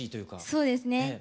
そうですね。